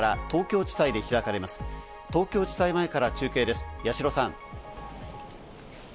東京地裁前から中継です、矢代さん。